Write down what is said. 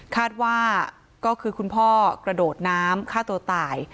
คาดว่าก็คือคุณพ่อกระโดดน้ำฆ่าตัวตาย